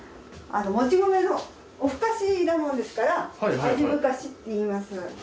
もち米のおふかしなもんですから味ぶかしって言います。